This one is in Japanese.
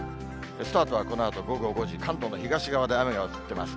スタートはこのあと午後５時、関東の東側で雨が降ってます。